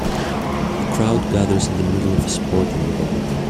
A crowd gathers in the middle of a sporting event.